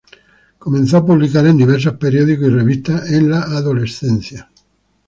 Comenzó a publicar en diversos periódicos y revistas en la adolescencia.